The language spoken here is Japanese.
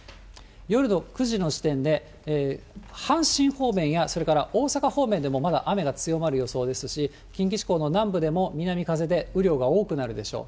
夜の９時の時点で、阪神方面やそれから大阪方面でもまだ雨が強まる予想ですし、近畿地方の南部でも南風で雨量が多くなるでしょう。